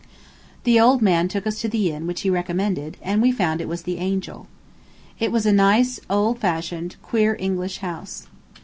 The old man took us to the inn which he recommended, and we found it was the Angel. It was a nice, old fashioned, queer English house.